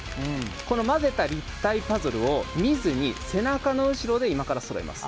この混ぜた立体パズルを見ず背中の後ろで今からそろえます。